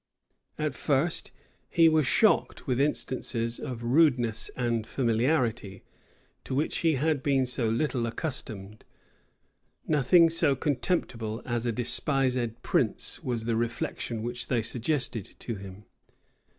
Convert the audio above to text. At first, he was shocked with instances of rudeness and familiarity, to which he had been so little accustomed. "Nothing so contemptible as a despised prince!" was the reflection which they suggested to him.